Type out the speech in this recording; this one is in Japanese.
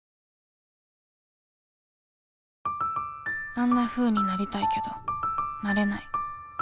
あんなふうになりたいけどなれない